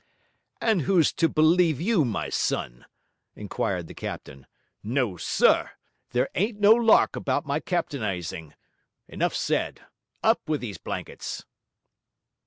'And who's to believe you, my son?' inquired the captain. 'No, sir! There ain't no lark about my captainising. Enough said. Up with these blankets.'